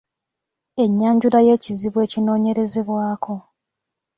Ennyanjula y’ekizibu ekinoonyerezebwako.